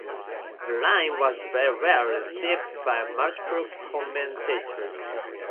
Aveline was very well received by multiple commentators.